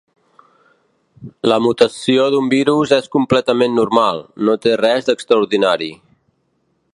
La mutació d’un virus és completament normal, no té res d’extraordinari.